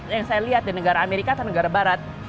yang saya lihat di negara amerika atau negara barat